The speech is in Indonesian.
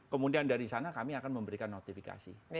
kemudian dari sana kami akan memberikan notifikasi